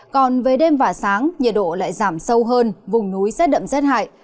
còn về đêm và sáng nhiệt độ lại giảm sâu hơn vùng núi rét đậm rét hại